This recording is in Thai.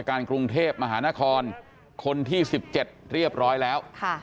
กรุงเทพฯมหานะครคนที่สิบเจ็ดเรียบร้อยแล้วค่ะ